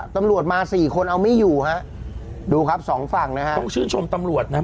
ตำรวจมาสี่คนเอาไม่อยู่ฮะดูครับสองฝั่งนะฮะต้องชื่นชมตำรวจนะฮะ